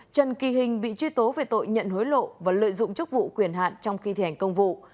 trần kỳ hình bị truy tố về tội nhận hối lộ và lợi dụng chức vụ quyền hạn trong khi thi hành công vụ